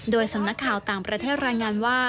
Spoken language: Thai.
โดยสำนักข่าวต่างประเทศรายงานว่า